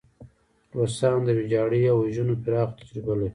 روسان د ویجاړۍ او وژنو پراخه تجربه لري.